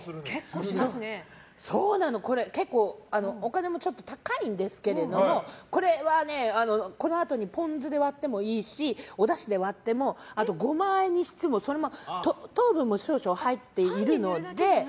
これ、結構お金も高いんですけれどもこれはこのあとにポン酢で割ってもいいしおだしで割ってもゴマあえにしても糖分も少々入っているので。